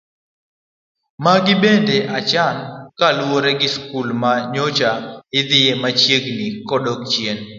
Magi bende ochan kaluwore gi skul ma nyocha idhiye machiegni kadok chien.